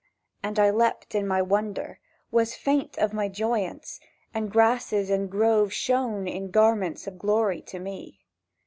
—And I leapt in my wonder, Was faint of my joyance, And grasses and grove shone in garments Of glory to me.